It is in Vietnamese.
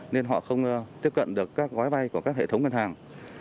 nên họ không tiếp cận được các gói vay của các hệ thống ngân hàng